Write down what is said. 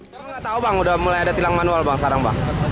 sekarang nggak tahu bang udah mulai ada tilang manual bang sekarang bang